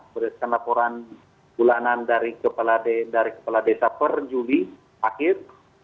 berdasarkan laporan bulanan dari kepala desa per juli akhir